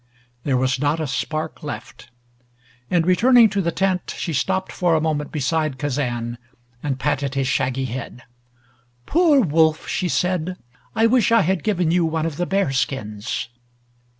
There was not a spark left. In returning to the tent she stopped for a moment beside Kazan, and patted his shaggy head. "Poor Wolf!" she said. "I wish I had given you one of the bearskins!"